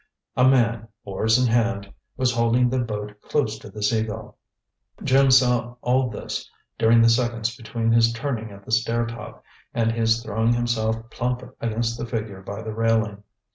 A man, oars in hand, was holding the boat close to the Sea Gull. Jim saw all this during the seconds between his turning at the stair top and his throwing himself plump against the figure by the railing.